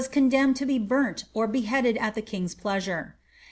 condemned to be burnt or beheaded at the king's pleasure.